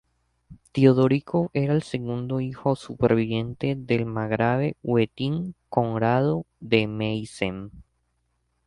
Teodorico era el segundo hijo superviviente del margrave Wettin Conrado de Meissen.